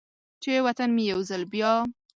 چې و طن مې یو ځل بیا،